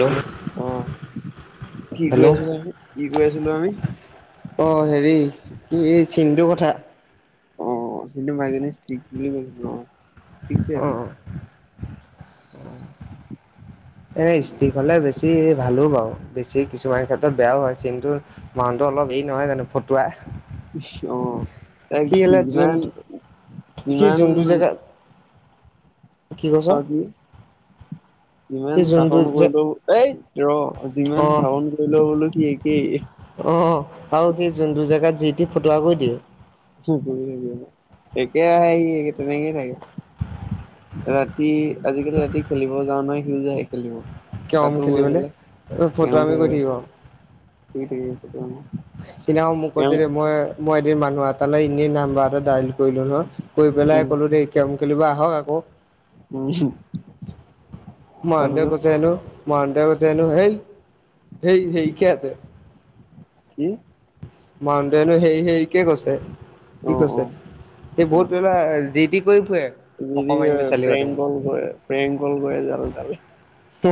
Hello অ কি কৈ হেল্ল' আছিলো কি কয় আছিলো আমি অ' হেৰি কি চিন্ধুৰ কথা অ সিটো মাই ষ্টিক বুলি কৈছিলো অ ষ্টিক অ' এ ষ্টিক হলে বেছি ভালো বাৰু বেছি কিছুমান ক্ষেত্ৰত বেয়াও হয় কিন্তু মানুহতো অলপ হৰি নহয় জানো ফটুৱা অ এক কি হ'লে যোন যিমান সি যিমান যোনটো জেগা কি কৈছ অ কি যিমান সি যোনটো শাসন যে কৰি লও এই ৰ যিমান অ' ধাৱন কৰিলে বোলো কি একেই অ আৰু সি যোনটো জেগাত যিতো ফটুৱা কৰি দিয়ে থ একে আহে সি তেনেকেই থাকে ৰাতি আজিকালি ৰাতি খেলিব যাওঁ নহয় সিউ যাই খেলিব কেৰম তাতো গৈ খেলিবলে পেলাই ফটুৱামি তেওঁৱে কৰি থাকিব শুই থাকি সদি ম কৰে মই মই এদিন মানুহ তালৈ এনেই নাম্বাৰটো দাইল কৰিলো নহ কৈ উম পেলাই কলো দেই কেৰেম খেলিব আহক আকৌ উম ম দে তাৰপিছত কছেনো ম দো ব তেন হেই হেই হেই কিয়তে কিম মাউণ্টেইনো হে হেৰিকে কৈছে অ কি অ কৈছে এই বহুত বেলা যিটি যদি প্ৰিয়ংক গৈ প্ৰিয়ংকল গৈয়ে জালে তালে হ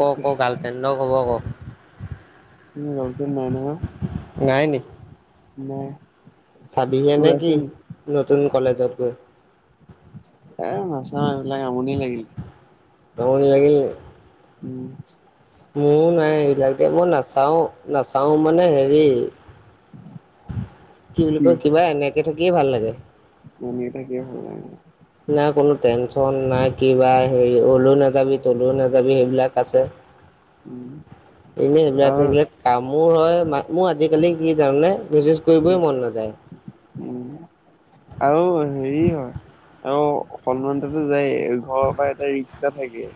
ক ক গাৰ্লফ্ৰেণ্ডক কব ক কি গালফ্ৰেণ্ড নাই ন ম চাবিগে নে কি নতুন কলেজত গৈ? এ, নাচাওঁ এইবিলাক আমনি লাগিল। আমনি উম, মোৰ নাই এইবিলাক দে মই নাচাও, নাচাও মানে হেৰি কি বুলি কয়, কিবা এনেকে থাকিয়ে ভাল লাগে। এনেই থাকিয়ে ভাল লাগে। না কোনো টেনচন না কিবা হেৰি অলৈ নাযাবি তলৈ নাযাবি সেইবিলাক আছে। উম এনে এইবিলাক আৰু থাকিলে কাম মোৰ হয়, মোৰ আজিকালি কি জাননে মেছেজ কি কৰিবই মন নাযায়। উম, আৰু হেৰি হয় আৰু সন্মানতো যায়য়েই ঘৰৰ পৰা এটা ৰিক্স থাকে।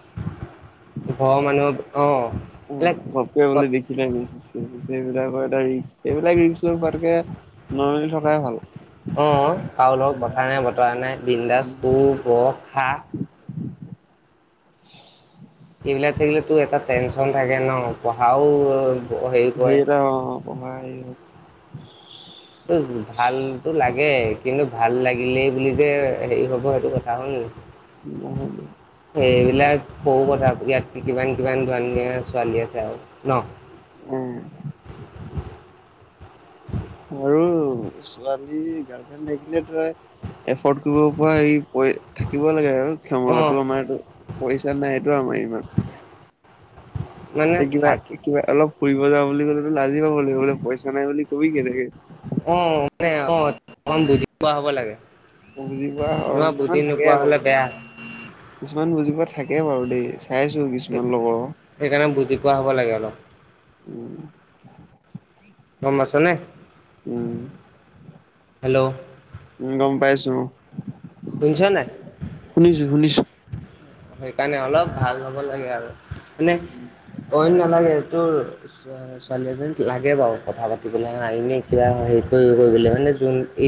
ঘৰৰ মানুহ অ অ', এইবিলাক ঘপকে বুলে দেখিলে মেছেজ-চেছেজ সেইবিলাকৰ এটা ৰিক্স, এইবিলাক ৰিক্স লৈ পোৱাতকে নৰ্মেল থকাই ভাল। উম, কৰোঁ লগত উম কথা নাই, বতৰা নাই বিন্দাছ উম সো ব খা। [unintelligible] সেইবিলাক থাকিলে তো এটা টেনচন থাকে ন, পঢ়াও হেৰি কৰে সেইটো পঢ়া হেৰি হয়। ত ভালতো লাগে, কিন্তু ভাল লাগিলেই বুলি যে হেৰি হ'ব সেইটো কথা নেকি? [unintelligible] এইবিলাক সৰু কথা ইয়াত কিমান, কিমান ধুনীয়া ছোৱালী আছে আৰু ন? উম, আৰু ছোৱালী গাৰ্লফ্ৰেণ্ড থাকিলে ত এফৰ্ড কৰিব পৰা এই থাকিব লাগে আৰু অ ক্ষমতাটো, আমাৰটো পইচা নাইটো আমাৰ ইমান মানে এ, কিবা থাকি কিবা অলপ কৰি লৈ যা বুলি ক'লেতো লাজেই পাব লাগিব, পইচা নাই বুলি কবি কেনেকে? অ', মানে অলপ বুজি পোৱা হ'ব লাগে। বুজি পোৱা নহয় বুজি কিছুমান থাকে নোপোৱা আকৌ হলে বুজি বেয়া পোৱা। কিছুমান বুজি পোৱা থাকে বাৰু দেই, চাইছো কিছুমান লগৰৰ। সেইকাৰণে বুজি পোৱা [unintelligible] উম, দম আছে নে? উম, হেল্ল'। উম, গ'ম পাইছো শুনিছ নাই শুনিছো, শুনিছো। সেইকাৰণে অলপ ভাল হ'ব লাগে আৰু মানে অইন নালাগে এইটোৰ ছোৱালী এজনী লাগে বাৰু কথা পাতিবলৈ, এনে কিবা হেৰি কৰি কৰিব মানে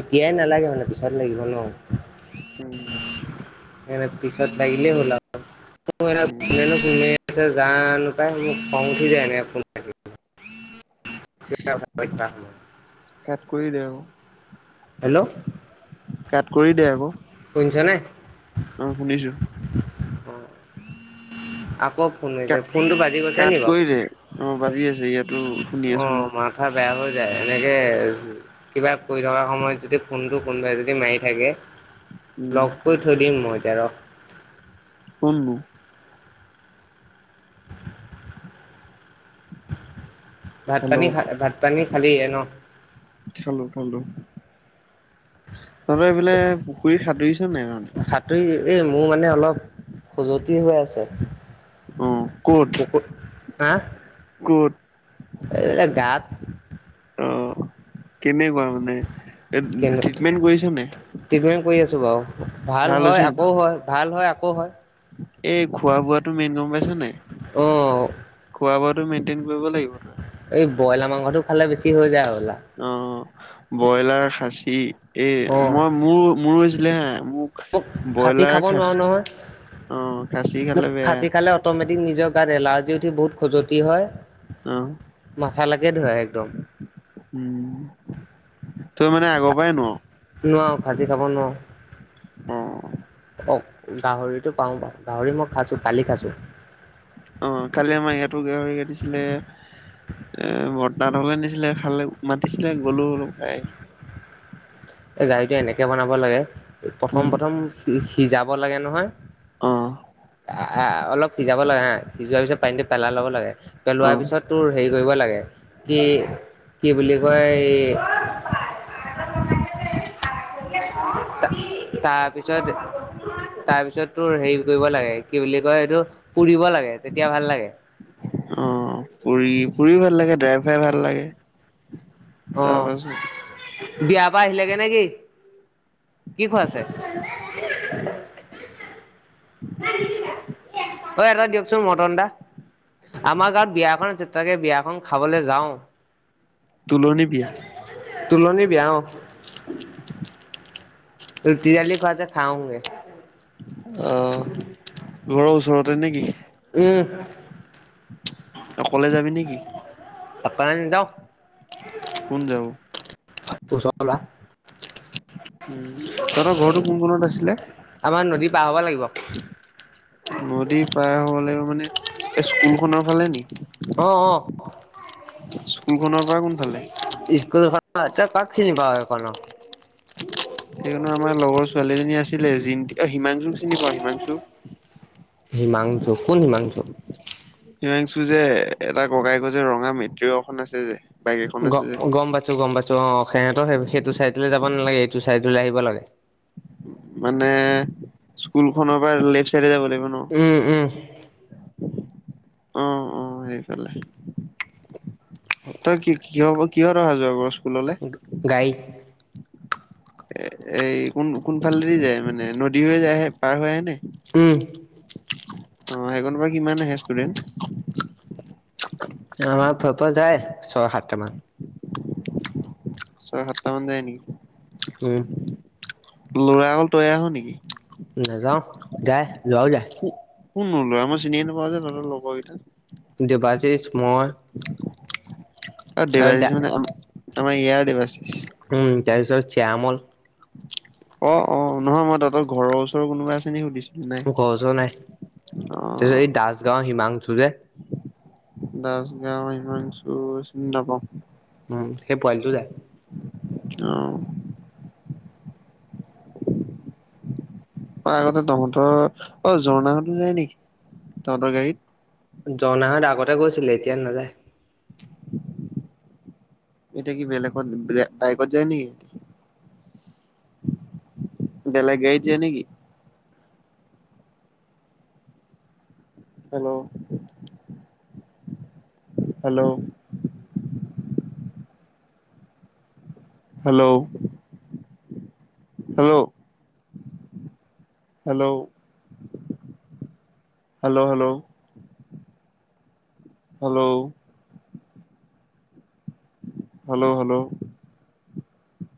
এতিয়াই নালাগে মানে পিছত লাগিব ন? উম এনে পিছত লাগিলেই হ'ল উম কৰিছে, জানো পায়, মোৰ খং উঠি যায় এনেকে কিবা কথা পাতি থকা সময়ত কাত কৰি দে আকৌ। হেল্ল' কাট কৰি দে আকৌ? বুজিছ নে অ শুনিছো ফোন মাৰিছে ফোনতটো বাজি গৈছে কাট নি বাৰু কৰিলে অ বাজি আছে ইয়াতো শুনি আছো মই অ', মাথা বেয়া হৈ যায়, এনেকে কিবা কৰি থকা সময়ত যদি ফোনটো কোনোবাই যদি মাৰি থাকে, উম ব্লক কৰি থৈ দিম মই। [unintelligible] কোন নো? [unintelligible] ভাত, হেল্ল' পানী খা ভাত, পানী খালি ন? খালো খালো তহঁতৰ এইফালে পুখুৰীত সাঁতুৰিছ নে নাই তহঁতি? সাঁতুৰি এই মোৰ মানে অলপ খজুৱতি হৈ আছে। উম, ক'ত? পুখুৰ হা ক'ত? এই গাত অ কেনেকুৱা মানে এ, ট্ৰিটমেন্ট কৰিছ নে? ট্ৰিটমেন্ট কৰি আছো বাৰু। ভাল হয় হৈছে নাই আকৌ হয় ভাল হয়। আকৌ হয় এই খোৱা বোৱাটো মেইন গম পাইছ নে? অঁ খোৱা বোৱা তুমি মেইন্টেইন কৰিব লাগিব। এই ব্ৰইলাৰ মাংসটো খালে বেছি হৈ যায় আৰু। অ' ব্ৰইলাৰ খাচী এই অঁ মই মোৰো মোৰো হৈছিলে হে মোক খাচী খাব নোৱাৰো অ খাচী নহয়। মোক খালে বেয়া খাচী খালে অট'মেটিক নিজৰ গাত এলাৰ্জি উঠি বহুত খজুৱতি অ হয়। মাথা লাকে ধৰে একদম। উম তই মানে আগৰ পৰাই নোৱাৰ নোৱাৰো খাজি খাব অ', নোৱাৰো। গাহৰিটো পাওঁ বাৰ গাহৰি মই খাইছোঁ কালি খাইছোঁ অ' কালি আমাৰ ইয়াতো গাহৰি কাটিছিলে। এ, বৰ্তাত হলে নিছিলে খালে মাতিছিলে গ'লো অলপ খাই এই গাড়ীটো এনেকে বনাব লাগে, প্ৰথম উম, প্ৰথম সিজাব লাগে নহয়। অ', আ-আ অলপ সিজাব লাগে হা সিজোৱাৰ পিছত পানীটো পেলাই ল'ব লাগে। পেলোৱাৰ অ', পিছত তোৰ হেৰি কৰিব লাগে কি কি বুলি কয় এই [unintelligible] তাৰপিছত তাৰপিছত তোৰ হেৰি কৰিব লাগে কি বুলি কয় এইটো পুৰিব লাগে। তেতিয়া ভাল লাগে অ' পুৰি ফুৰি ভাল ভাল লাগে, ড্ৰাই ফ্ৰাই ভাল লাগে তাৰ অ পাছত বিয়াৰ পৰা আহিলেগে নে কি? কি খুৱাইছে? [inaudible] অ' এটা দিয়কচোন মটন এটা। আমাৰ গাঁৱত বিয়া এখন আছে তাকে বিয়াখন খাবলৈ যাওঁ। তুলনি বিয়া? তুলনি বিয়া অ'। [inaudible] ৰুটি দালী খুৱাইছে খাওঁ আহোগে। অ' ঘৰৰ ওচৰতে নেকি? উম। অকলে যাবি নেকি? অকলে নাযাওঁ। কোন যাব ওচৰৰ লৰা। উম, তহঁতৰ ঘৰটো কোন কোণত আছিলে আমাৰ নদী পাৰ হ'ব লাগিব। নদী পাৰ হ'ব লাগিব মানে এই স্কুলখনৰ ফালে নি? অ', অ'। স্কুলখনৰ পৰা কোন ফালে? স্কুলখন [unintelligible] তই কাক চিনি পাওঁ এইখনত? হেইখনত আমাৰ লগৰ ছোৱালী জনী আছিলে, জিম-হিমাংচুক চিনি পাওঁ হিমাংচু? হিমাংচু কোন হিমাংচু? হিমাংচু যে তাৰ ককাইকৰ এখন ৰঙা মেইট্ৰ' এখন আছে যে। বাইক এখন আছে যে গ-গম পাইছোঁ গম পাইছোঁ। অ', অ' সিহঁতৰ সেইটো চাইডলৈ যাব যাব নালাগে এইটো চাইডলে আহিব লাগে। মানে স্কুলখনৰ পৰা লেফট চাইডে যাব লাগিব? ন উম, উম। অ', অ' সেইফালে। তই কি কি হ'ব কিহত অহা যোৱা কৰ? স্কুললে গাৰিত। এ-এই কোন-কোনফালেদি যায় মানে, নদী হৈ যায়ে পাৰ হৈ আহে নে? উম, অ', হেইকনৰ পৰা কিমান আহে ষ্টুডেণ্ট? আমাৰ ফা-ফালৰ পৰা যায় ছয় সাতটামান। ছয় সাতটা মান যায় নেকি? উম, লৰা অকল তইয়ে আহ' নেকি? নাযাওঁ, যায় লৰাও যায়। কো কোন নো লৰা? মই চিনি এ নাপাওঁ যে তহতৰ লগৰ কেইটা। দেবাশীষ মই অ', আৰু দা দেৱাচিছ মানে আমা-আমাৰ ইয়াৰ দেৱাচিছ? উম, তাৰপিছত শ্যামল অ', অ', নহয় মই তহতৰ ঘৰৰ ওচৰ কোনোবা আছে নেকি সুধিছো? ঘৰৰ ওচৰৰ নাই, তাৰ অ পিছত এই দাসগাওঁৰ হিমাংচো যে দাসগাওঁৰ হিমাংচো, চিনি নাপাওঁ। উম সেই পোৱালিটো যায় অ', অ', আগতে তহতৰ অ, জঝৰ্ণা হতো যায় নেকি তহতৰ গাড়ীত? ঝৰ্ণা হত আগতে গৈছিলে, এতিয় নাযায়। [inaudible] এতিয়া কি বেলেগত, বাইকত যায় নেকি? বেলেগ গাড়ীত যাই নেকি? Hello! Hello hello! Hello hello hello hello hello hello hello